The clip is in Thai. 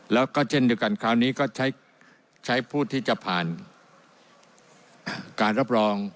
แล้วก็เช่นเดียวกันคราวนี้ก็ใช้ผู้ที่จะผ่านการรับรอง